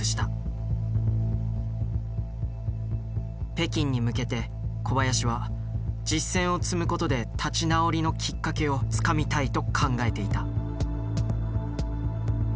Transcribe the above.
北京に向けて小林は実戦を積むことで立ち直りのきっかけをつかみたいと考えていた。